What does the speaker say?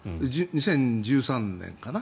２０１３年かな。